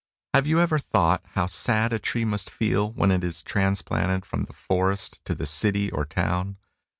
Have you ever thought how sad a tree must feel when it is transplanted from the forest to the city or town?